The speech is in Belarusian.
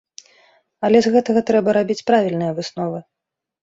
Але з гэтага трэба рабіць правільныя высновы.